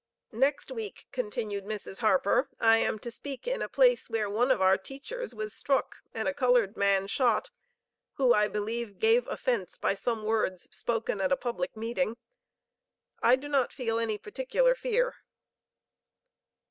"Next week," continued Mrs. Harper, "I am to speak in a place where one of our teachers was struck and a colored man shot, who, I believe, gave offence by some words spoken at a public meeting. I do not feel any particular fear."